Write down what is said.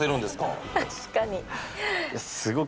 確かに。